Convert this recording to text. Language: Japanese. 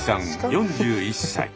４１歳。